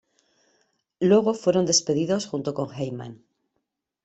Luego fueron despedidos junto con Heyman.